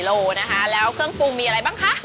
โลนะคะแล้วเครื่องปรุงมีอะไรบ้างคะ